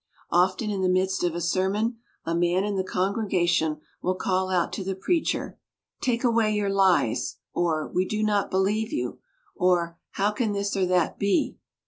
Often in the midst of a sermon a man in the congregation will call out to the preacher, 'Take away your lies,' or 'We do not believe you,' or 'How can this or that be?'